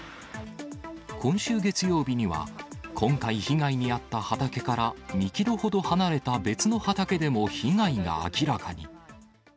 今週月曜日には、今回、被害に遭った畑から２キロほど離れた別の畑でも被害が明らかに。